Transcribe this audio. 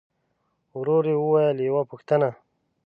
ورو يې وويل: يوه پوښتنه!